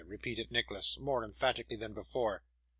repeated Nicholas, more emphatically than before.